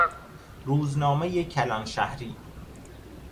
روزنامهی کلانشهری